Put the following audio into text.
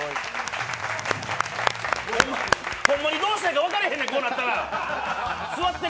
ホンマにどうしたらええか分からへんねん、こうなったら。